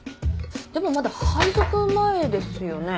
でもまだ配属前ですよね？